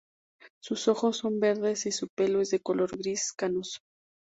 Sus ojos son verdes y su pelo es de color gris canoso.